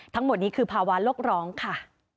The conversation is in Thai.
ทั้งหมดนี้คือภาวะโลกร้องค่ะ